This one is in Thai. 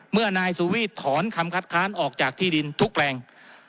เมื่อนายสูวีทถอนคำคัดค้านออกจากที่ดินทุกแปลง